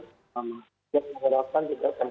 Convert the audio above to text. saya mengharapkan kita akan